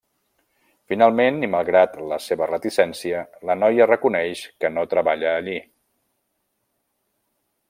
Finalment i malgrat la seva reticència, la noia reconeix que no treballa allí.